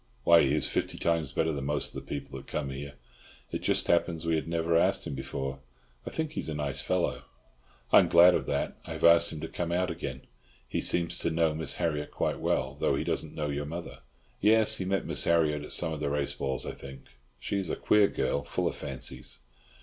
Why, he is fifty times better than most of the people that come here. It just happens we had never asked him before. I think he is a very nice fellow." "I'm glad of that. I have asked him to come out again. He seems to know Miss Harriott quite well, though he doesn't know your mother." "Yes, he met Miss Harriott at some of the race balls, I think. She is a queer girl, full of fancies."